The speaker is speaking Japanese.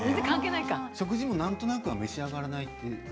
食事もなんとなく召し上がらないと？